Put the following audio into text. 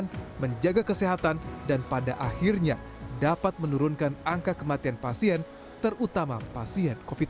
kesehatan menjaga kesehatan dan pada akhirnya dapat menurunkan angka kematian pasien terutama pasien covid sembilan belas